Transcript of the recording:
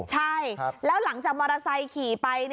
ใช่แล้วหลังจากมอเตอร์ไซค์ขี่ไป